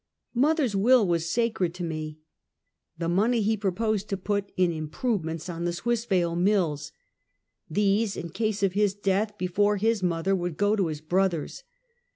Mother's will was sacred to me. The money he proposed to put in improvements on the Swiss vale mills. These, in case of his death before his mother, would go to his brothers.